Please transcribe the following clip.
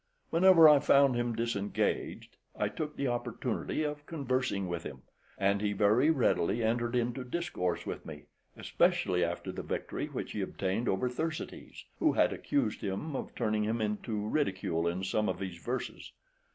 Whenever I found him disengaged, I took the opportunity of conversing with him, and he very readily entered into discourse with me, especially after the victory which he obtained over Thersites, who had accused him of turning him into ridicule in some of his verses.